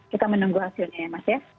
kita menunggu hasilnya ya mas ya